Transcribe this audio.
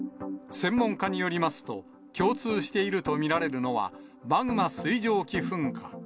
専門家によりますと、共通していると見られるのは、マグマ水蒸気噴火。